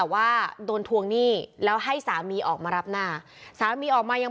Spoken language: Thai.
ว่าโดนทวงหนี้แล้วให้สามีออกมารับหน้าสามีออกมายัง